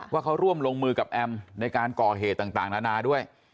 ว่าเขาร่วมลงมือกับแอมในการก่อเหตุต่างนานาด้วย